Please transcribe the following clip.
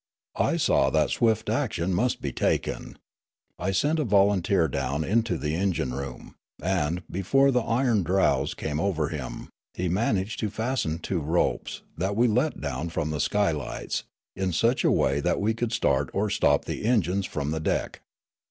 I saw that swift action must be taken. I sent a volunteer down into the engine room; and, before the iron drowse overcame him, he managed to fasten two ropes, that we let down from the skylights, in such a waj' that we could start or stop the engines from the deck.